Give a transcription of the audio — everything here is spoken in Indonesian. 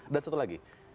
dan satu lagi